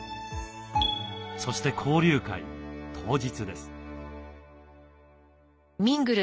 そして交流会当日です。